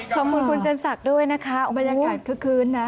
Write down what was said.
ขอบคุณคุณเจนศักดิ์ด้วยนะคะบรรยากาศคึกคืนนะ